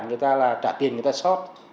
người ta là trả tiền người ta shop